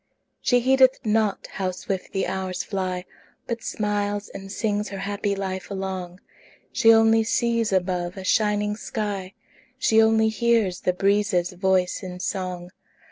She heedeth not how swift the hours fly, But smiles and sings her happy life along; She only sees above a shining sky; She only hears the breezes' voice in song.